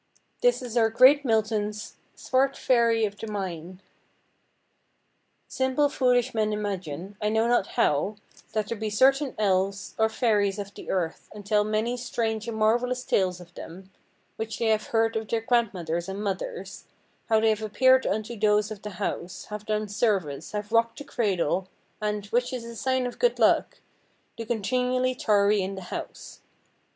This is our great Milton's "Swart faëry of the mine." "Simple foolish men imagine, I know not howe, that there be certayne elves or fairies of the earth, and tell many straunge and marvellous tales of them, which they have heard of their grandmothers and mothers, howe they have appeared unto those of the house, have done service, have rocked the cradell, and (which is a signe of good luck) do continually tarry in the house."